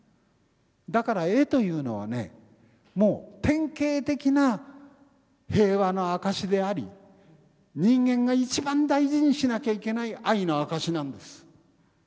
だから絵というのはねもう典型的な平和の証しであり人間が一番大事にしなきゃいけない愛の証しなんです。